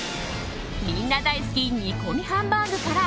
みんな大好き煮込みハンバーグから